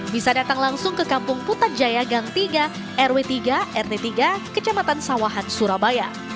bisa datang langsung ke kampung putan jaya gang tiga rw tiga rt tiga kecamatan sawahan surabaya